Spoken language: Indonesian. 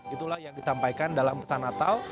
itulah yang disampaikan dalam pesan natal